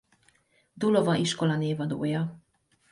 Dulova-iskola névadója.